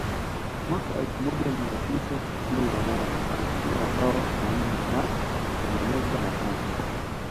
Mwaka elfu moja mia tisa tisini na nane alifunga mabao manne na kutengeneza matatu